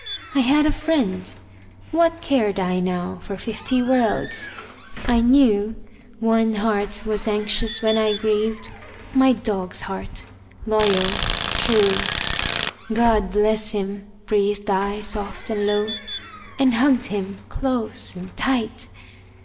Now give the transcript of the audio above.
I had a friend; what cared I now For fifty worlds? I knew One heart was anxious when I grieved My dog's heart, loyal, true. "God bless him," breathed I soft and low, And hugged him close and tight.